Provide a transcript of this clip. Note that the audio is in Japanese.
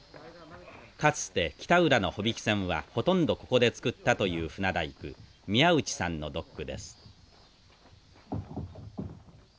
かつて北浦の帆引き船はほとんどここで造ったという船大工宮内さんのドックです。